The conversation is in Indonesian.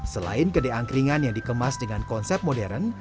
selain kedai angkringan yang dikemas dengan konsep modern